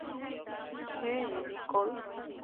হেই, Nicole.